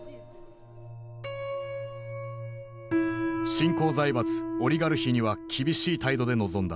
新興財閥オリガルヒには厳しい態度で臨んだ。